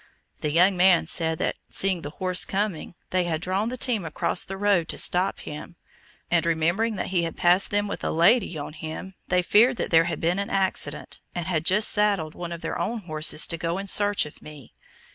The young man said that, seeing the horse coming, they had drawn the team across the road to stop him, and remembering that he had passed them with a lady on him, they feared that there had been an accident, and had just saddled one of their own horses to go in search of me.